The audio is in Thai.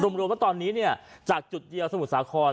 รวมรวมว่าตอนนี้จากจุดเยี่ยวสมุทรสาคร